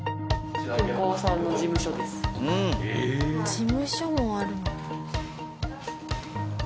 事務所もある。